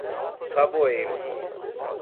Saboeiro